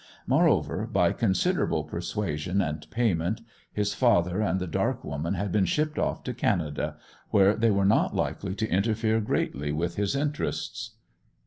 Moreover, by considerable persuasion and payment, his father and the dark woman had been shipped off to Canada, where they were not likely to interfere greatly with his interests.